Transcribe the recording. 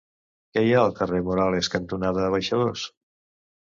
Què hi ha al carrer Morales cantonada Abaixadors?